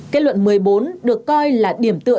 kết luận một mươi bốn được coi là điểm tựa